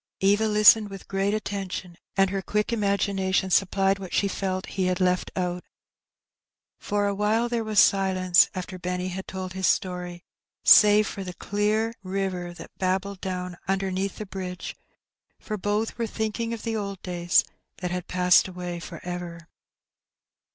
Eva listened with great attention, and her quick ima gination supplied what she felt he had left out. For awhile there was silence after Benny had told his story, save for the clear river that babbled down underneath the 272 Hbr Benny. bridge, for botli were thinldng of the old days that had passed away for ever.